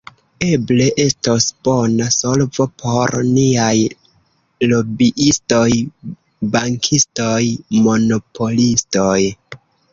Eble estos bona solvo por niaj lobiistoj, bankistoj, monopolistoj.